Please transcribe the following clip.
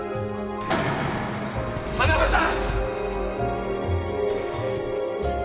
田辺さん！